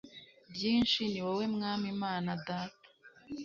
ryinshi, ni wowe mwami mana data